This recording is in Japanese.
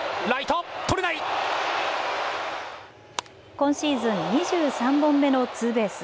今シーズン２３本目のツーベース。